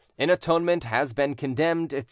"In atonement has been condemned, etc.